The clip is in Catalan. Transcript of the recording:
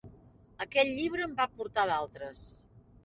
Aquell llibre en va portar d'altres.